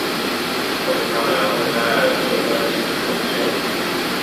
故它们会在初春时出现。